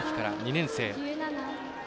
２年生。